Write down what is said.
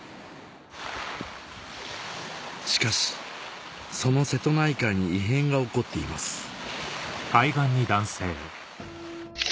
しかしその瀬戸内海に異変が起こっていますこれ。